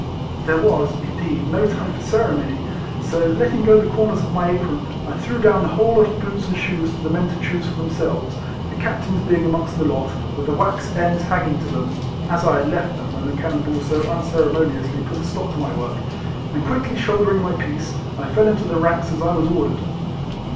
There was, indeed, no time for ceremony, so, letting go the corners of my apron, I threw down the whole lot of boots and shoes for the men to choose for themselves ; the Captain's being amongst the lot, with the wax ends hanging to them (as I had left them when the cannon ball so unceremo niously put a stop to my work), and quickly shouldering my piece, I fell into the ranks as I was ordered.